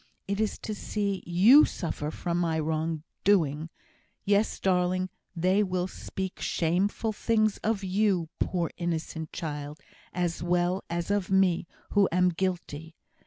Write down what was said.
It is to see you suffer for my wrongdoing. Yes, darling! they will speak shameful things of you, poor innocent child! as well as of me, who am guilty.